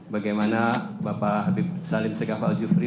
bagaimana bapak salim segahwal jufri